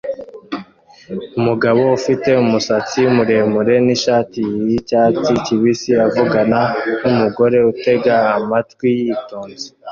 Umugabo ufite umusatsi muremure nishati yicyatsi kibisi avugana numugore utega amatwi yitonze